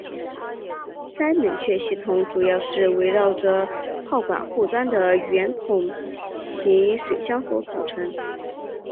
该冷却系统主要是围绕着炮管后端的圆筒形水箱所组成。